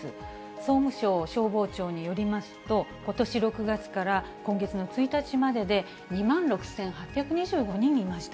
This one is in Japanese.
総務省消防庁によりますと、ことし６月から今月の１日までで、２万６８２５人いました。